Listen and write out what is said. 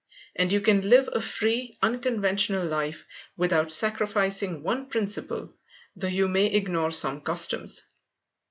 And you can live a free, unconventional life without sacrificing one principle, though you may ignore some customs.